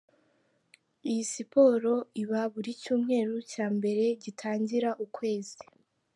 Iyi siporo iba buri Cyumweru cya mberegitangira ukwezi.